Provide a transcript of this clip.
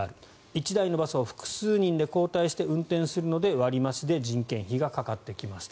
１台のバスを複数人で交代して運転するので割増しで人件費がかかってきますと。